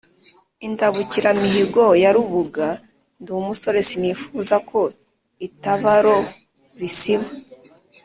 Indabukiramihigo ya Rubuga ndi umusore sinifuza ko itabaro risiba;